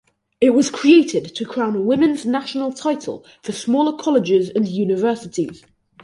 It was created to crown a women's national title for smaller colleges and universities.